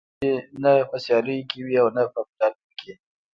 کنجي نه په سیالیو کې وي او نه په مډالونه کې.